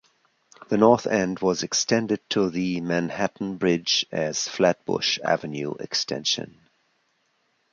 The north end was extended to the Manhattan Bridge as Flatbush Avenue Extension.